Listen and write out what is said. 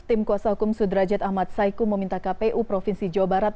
tim kuasa hukum sudrajat ahmad saiku meminta kpu provinsi jawa barat